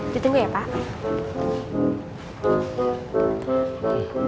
ditunggu ya pak